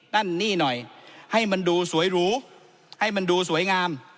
นั่นนี่หน่อยให้มันดูสวยหรูให้มันดูสวยงาม